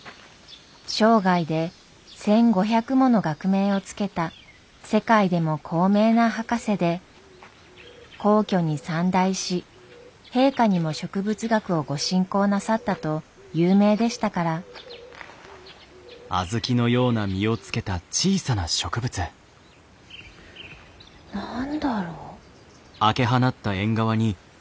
生涯で１，５００もの学名を付けた世界でも高名な博士で皇居に参内し陛下にも植物学をご進講なさったと有名でしたから何だろう？